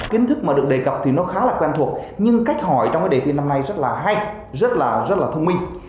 kiến thức mà được đề cập thì nó khá là quen thuộc nhưng cách hỏi trong cái đề thi năm nay rất là hay rất là rất là thông minh